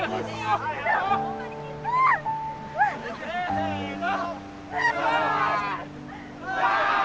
せの。